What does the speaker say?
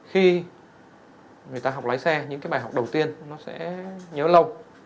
khi người ta học lái xe những cái bài học đầu tiên nó sẽ nhớ lâu